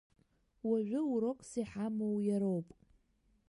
Уажәы урокс иҳамоу иароуп.